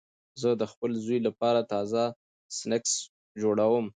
زه د خپل زوی لپاره تازه سنکس جوړوم.